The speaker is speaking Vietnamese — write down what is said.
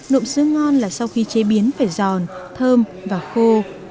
nộm sứa ngon là sau khi chế biến phải giòn thơm và khô